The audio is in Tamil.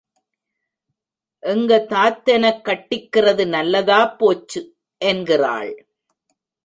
எங்க தாத்தெனக் கட்டிக்கிறது நல்லதாப் போச்சு! என்கிறான்.